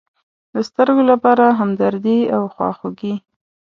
د سترگو لپاره همدردي او خواخوږي.